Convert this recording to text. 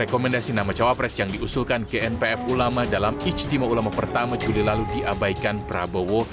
rekomendasi nama jafres yang diusulkan ke npf ulama dalam istimewa ulama pertama juli lalu diabaikan prabowo